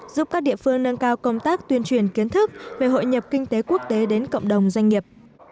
giúp các địa phương nâng cao công tác tuyên truyền kiến thức về hội nhập kinh tế quốc tế đến cộng đồng doanh nghiệp